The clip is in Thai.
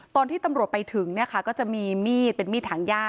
ตอนที่ตำรวจไปถึงก็จะมีมีดเป็นมีดถังย่า